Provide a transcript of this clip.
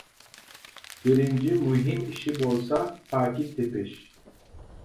بىرىنچى مۇھىم ئىشى بولسا پاكىت تېپىش.